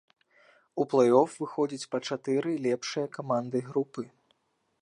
У плей-оф выходзяць па чатыры лепшыя каманды групы.